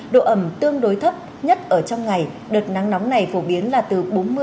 độ ẩm tương đối thấp nhất ở trong ngày đợt nắng nóng này phổ biến là từ bốn mươi năm mươi năm